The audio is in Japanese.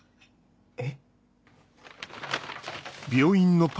えっ？